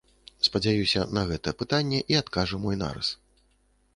Спадзяюся, на гэта пытанне і адкажа мой нарыс.